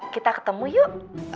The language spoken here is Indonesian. kita ketemu yuk